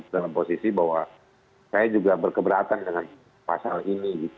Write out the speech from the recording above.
dalam posisi bahwa saya juga berkeberatan dengan pasal ini